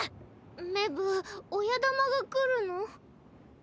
メブ親玉が来るの？